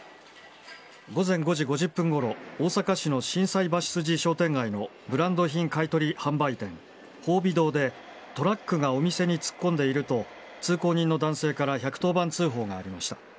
午前５時５０分ごろ、大阪市の心斎橋筋商店街のブランド品買い取り販売店、宝美堂で、トラックがお店に突っ込んでいると、通行人の男性から１１０番通報がありました。